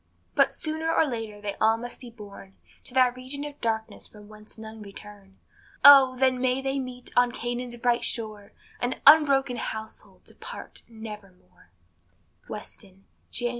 But sooner or later they all must be borne To that region of darkness from whence none return; Oh! then may they meet on Canaan's bright shore, An unbroken household to part nevermore. Weston, Jan.